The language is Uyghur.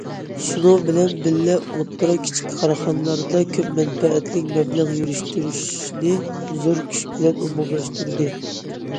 شۇنىڭ بىلەن بىللە، ئوتتۇرا، كىچىك كارخانىلاردا كۆپ مەنبەلىك مەبلەغ يۈرۈشتۈرۈشنى زور كۈچ بىلەن ئومۇملاشتۇردى.